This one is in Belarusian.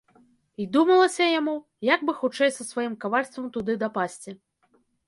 І думалася яму, як бы хутчэй са сваім кавальствам туды дапасці.